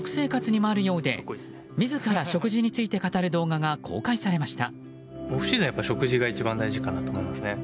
その秘訣は食生活にもあるようで自ら食事について語る動画が公開されました。